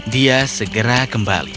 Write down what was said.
dia segera kembali